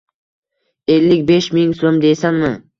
Ellik besh ming so`m, deysanmi